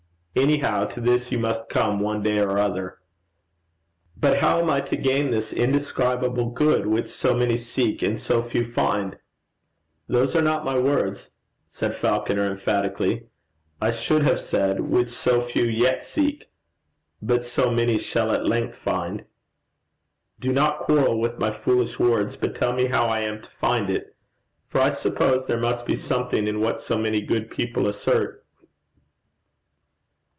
Anyhow to this you must come, one day or other.' 'But how am I to gain this indescribable good, which so many seek, and so few find?' 'Those are not my words,' said Falconer emphatically. 'I should have said "which so few yet seek; but so many shall at length find."' 'Do not quarrel with my foolish words, but tell me how I am to find it; for I suppose there must be something in what so many good people assert.'